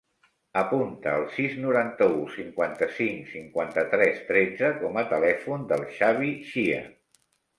Apunta el sis, noranta-u, cinquanta-cinc, cinquanta-tres, tretze com a telèfon del Xavi Xia.